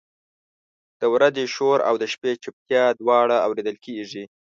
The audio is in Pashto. د ورځې شور او د شپې چپتیا دواړه اورېدل کېږي.